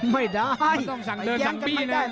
ไม่ได้ไอ้ยังกันไม่ได้มันต้องไปด้วยกัน